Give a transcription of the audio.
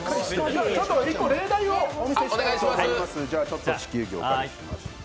１個、例題をお見せしたいと思います。